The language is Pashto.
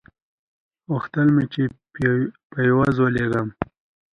غوښتل مې چې فيوز يې ولګوم.